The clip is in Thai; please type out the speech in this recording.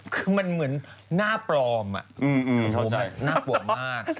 คือมันเหมือนหน้าปลอมน่ากลัวมาก